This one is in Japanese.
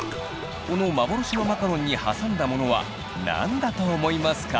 この幻のマカロンに挟んだものは何だと思いますか？